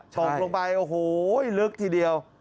ตกลงไปโอ้โหลึกทีเดียว